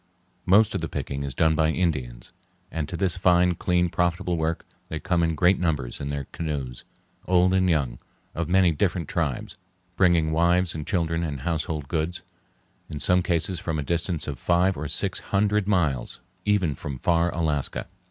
Most of the picking is done by Indians, and to this fine, clean, profitable work they come in great numbers in their canoes, old and young, of many different tribes, bringing wives and children and household goods, in some cases from a distance of five or six hundred miles, even from far Alaska.